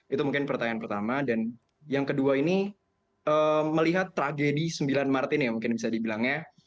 itu mungkin pertanyaan pertama dan yang kedua ini melihat tragedi sembilan mart ini mungkin bisa dibilangnya